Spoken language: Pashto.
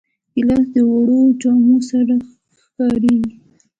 ګیلاس د وړو جامو سره ښکارېږي.